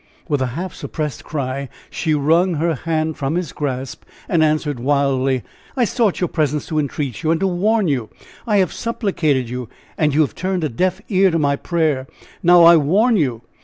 With a half suppressed cry she wrung her hand from his grasp and answered, wildly: "I sought your presence to entreat you and to warn you! I have supplicated you, and you have turned a deaf ear to my prayer! Now I warn you!